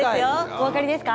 お分かりですか？